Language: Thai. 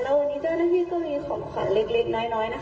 แล้ววันนี้เจ้าหน้าที่ก็มีของขวัญเล็กน้อยนะคะ